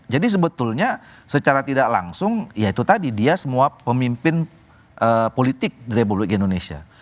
sebetulnya secara tidak langsung ya itu tadi dia semua pemimpin politik republik indonesia